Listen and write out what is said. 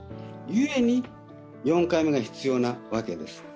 故に、４回目が必要なわけです。